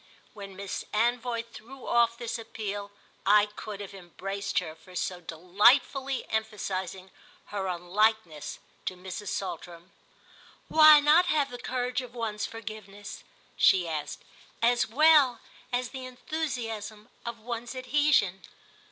When Miss Anvoy threw off this appeal I could have embraced her for so delightfully emphasising her unlikeness to Mrs. Saltram. "Why not have the courage of one's forgiveness," she asked, "as well as the enthusiasm of one's adhesion?"